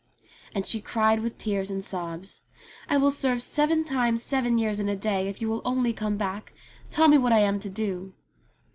And she cried with tears and sobs, "I will serve seven times seven years and a day if you will only come back. Tell me what I am to do."